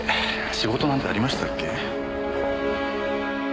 仕事なんてありましたっけ？